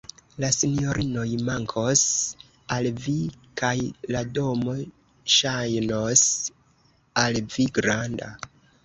La sinjorinoj mankos al vi, kaj la domo ŝajnos al vi granda.